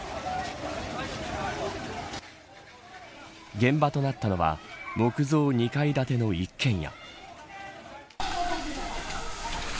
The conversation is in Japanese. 現場となったのは木造２階建ての一軒家。